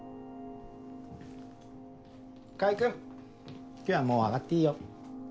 川合君今日はもう上がっていいよ。